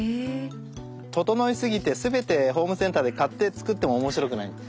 ととのいすぎてすべてホームセンターで買って作っても面白くない。